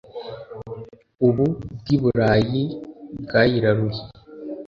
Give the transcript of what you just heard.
ubu bw' i burayi bwayiraruye